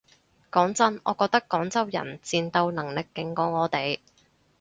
講真我覺得廣州人戰鬥能力勁過我哋